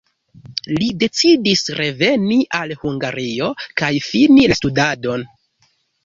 Li decidis reveni al Hungario kaj fini la studadon.